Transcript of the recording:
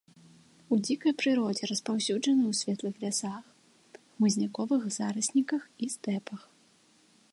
У дзікай прыродзе распаўсюджаны ў светлых лясах, хмызняковых зарасніках і стэпах.